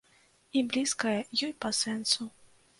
І блізкая ёй па сэнсу.